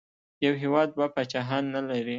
یو هېواد دوه پاچاهان نه لري.